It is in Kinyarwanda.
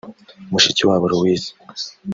Mushikiwabo Louise